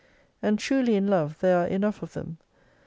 And truly in Love there are enough of them.